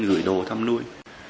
gửi đồ thăm nuôi